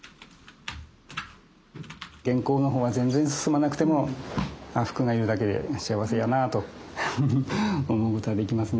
原稿の方は全然進まなくてもふくがいるだけで幸せやなと思うことができますね。